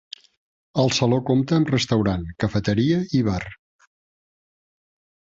El saló compta amb restaurant, cafeteria i bar.